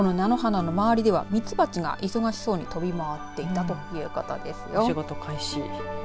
この菜の花の周りでは蜜蜂が忙しそうに飛び回っていたということですよ。